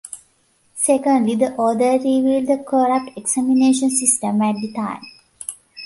Secondly, the author revealed the corrupt examination system at the time.